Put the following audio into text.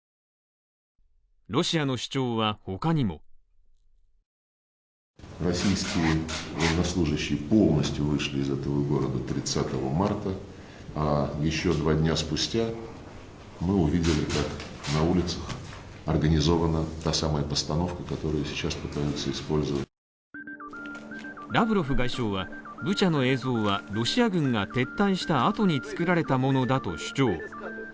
ロシアの主張はほかにもラブロフ外相は、ブチャの映像はロシア軍が撤退したあとにつくられたものだと主張。